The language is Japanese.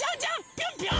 ぴょんぴょん！